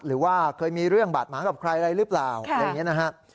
หรือว่าเคยมีเรื่องบาดหมางกับใครอะไรหรือเปล่าอะไรอย่างนี้นะครับ